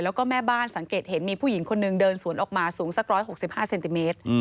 แล้วก็แม่บ้านสังเกตเห็นมีผู้หญิงคนนึงเดินสวนออกมาสูงสัก๑๖๕เซนติเมตร